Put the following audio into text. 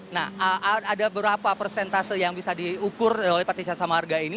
nah ada berapa persentase yang bisa diukur oleh patisan sama harga ini